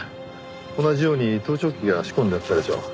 同じように盗聴器が仕込んであったでしょ。